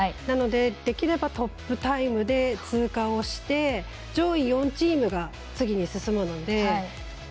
なので、できればトップタイムで通過をして、上位４チームが次に進むので。